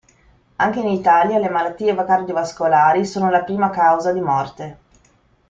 Anche in Italia le malattie cardiovascolari sono la prima causa di morte.